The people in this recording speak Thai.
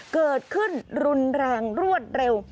เกิดขึ้นรุนแรงรวดเร็ว